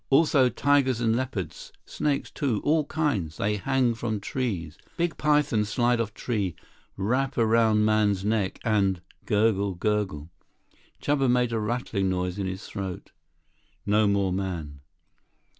Also tigers and leopards. Snakes, too. All kinds. They hang from trees. Big python slide off tree, wrap around man's neck and—urgle gurgle—" Chuba made a rattling noise in his throat. "No more man."